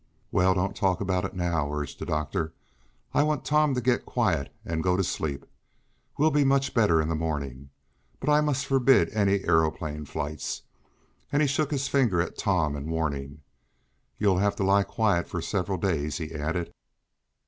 "Well, don't talk about it now," urged the doctor. "I want Tom to get quiet and go to sleep. He'll be much better in the morning, but I must forbid any aeroplane flights." And he shook his finger at Tom in warning. "You'll have to lie quiet for several days," he added.